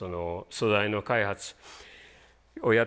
素材の開発をやってて。